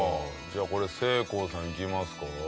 じゃあこれせいこうさんいきますか？